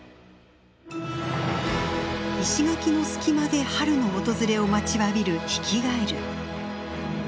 石垣の隙間で春の訪れを待ちわびるヒキガエル。